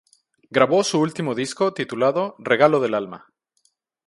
Grabó su último disco, titulado "Regalo del Alma".